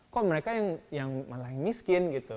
kok mereka yang malah yang miskin gitu